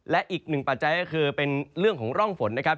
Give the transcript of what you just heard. และอีกหนึ่งปัจจัยก็คือเป็นเรื่องของร่องฝนนะครับ